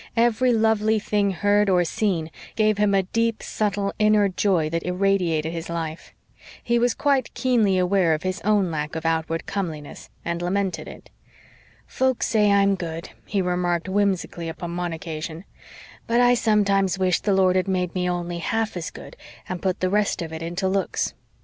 Every lovely thing heard or seen gave him a deep, subtle, inner joy that irradiated his life. He was quite keenly aware of his own lack of outward comeliness and lamented it. "Folks say I'm good," he remarked whimsically upon one occasion, "but I sometimes wish the Lord had made me only half as good and put the rest of it into looks.